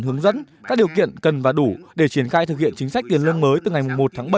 hướng dẫn các điều kiện cần và đủ để triển khai thực hiện chính sách tiền lương mới từ ngày một tháng bảy